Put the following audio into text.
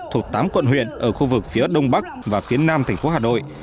thuộc tám quận huyện ở khu vực phía đông bắc và phía nam tp hà nội